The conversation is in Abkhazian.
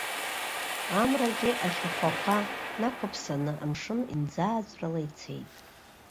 Амрагьы ашәахәақәа накәаԥсаны амшын инӡааҵәрыла ицеит.